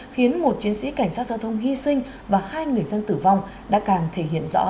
khiến một chiến sĩ cảnh sát giao thông hy sinh và hai người dân tử vong đã càng thể hiện rõ